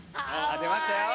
出ましたよ